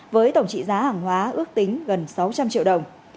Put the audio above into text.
với tổng trị giá hàng hóa ước tính gần sáu trăm linh triệu đồng